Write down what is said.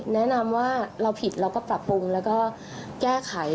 แนะนำว่าเราผิดเราก็ปรับปรุงแล้วก็แก้ไข